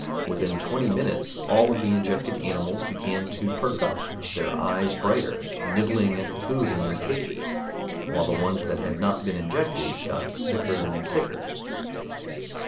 Within twenty minutes all of the injected animals began to perk up, their eyes brighter, nibbling at the food in their cages, while the ones that had not been injected got sicker and sicker.